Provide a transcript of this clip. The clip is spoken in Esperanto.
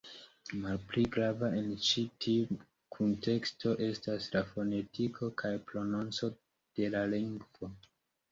Malpli grava en ĉi tiu kunteksto estas la fonetiko kaj prononco de la lingvo.